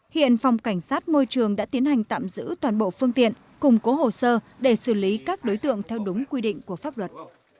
hiện phòng cảnh sát môi trường đã tiến hành tạm giữ toàn bộ phương tiện cùng cố hồ sơ để xử lý các đối tượng theo đúng quy định của pháp luật